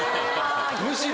むしろ。